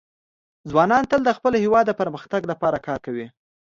ځوانان تل د خپل هېواد د پرمختګ لپاره کار کوي.